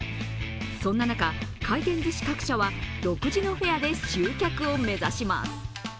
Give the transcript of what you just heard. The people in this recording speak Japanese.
そんな中、回転ずし各社は独自のフェアで集客を目指します。